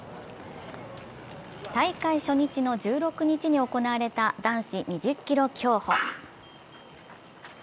大会初日の１６日に行われた男子２０ｋｍ競歩。